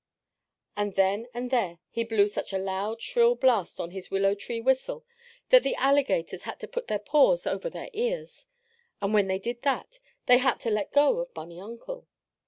And then and there he blew such a loud, shrill blast on his willow tree whistle that the alligators had to put their paws over their ears. And when they did that they had to let go of bunny uncle.